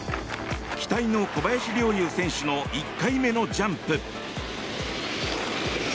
期待の小林陵侑選手の１回目のジャンプ。